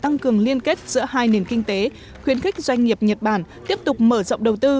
tăng cường liên kết giữa hai nền kinh tế khuyến khích doanh nghiệp nhật bản tiếp tục mở rộng đầu tư